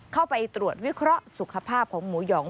เข้าไปตรวจวิเคราะห์สุขภาพของหมูหอง